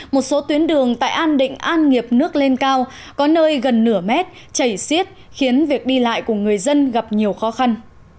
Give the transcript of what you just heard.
một số tuyến đường tại an định an nghiệp nước lên cao có nơi gần nửa mét chảy xiết khiến việc đi lại của người dân gặp nhiều khó khăn